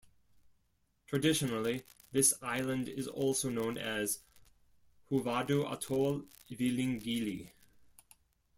Traditionally this island is also known as 'Huvadu Atoll Vilingili'.